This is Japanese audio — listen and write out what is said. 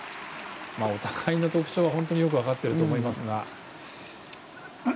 お互いの特徴はよく分かっていると思いますが。